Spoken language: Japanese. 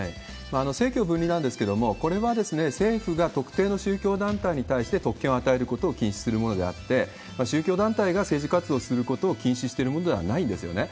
政教分離なんですけれども、これは政府が特定の宗教団体に対して特権を与えることを禁止するものであって、宗教団体が政治活動することを禁止しているものではないんですよね。